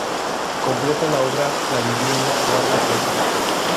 Completa la obra la vivienda guarda presa.